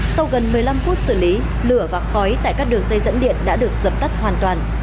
sau gần một mươi năm phút xử lý lửa và khói tại các đường dây dẫn điện đã được dập tắt hoàn toàn